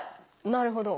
なるほど。